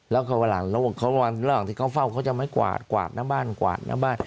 แล้วก็ว่าหลังที่เขาเฝ้าเขาจะมากวาดกวาดน้ำบ้านกวาดน้ำบ้าน